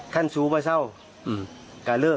แต่เมื่อเขาไป